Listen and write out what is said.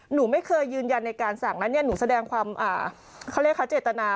หนูไม่เคยยืนยันในการสั่งแล้วเนี่ยหนูแสดงความเขาเรียกคะเจตนา